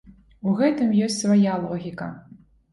У гэтым ёсць свая логіка.